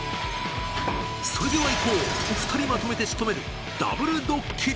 それではいこう、２人まとめてしとめる、ダブルドッキリ。